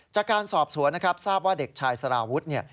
จากการสอบสวนทราบว่าเด็กชายสาราวุฒิ